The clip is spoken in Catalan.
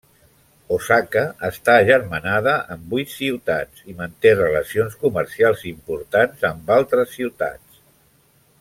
Osaka està agermanada amb vuit ciutats i manté relacions comercials importants amb altres ciutats.